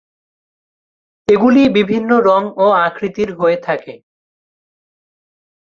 এগুলি বিভিন্ন রং ও আকৃতির হয়ে থাকে।